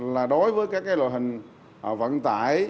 là đối với các loại hình vận tải